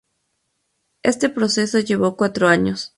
Este proceso llevó cuatro años.